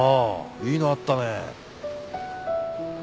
いいのあったね。